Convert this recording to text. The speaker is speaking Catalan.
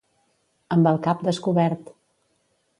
Amb el cap descobert.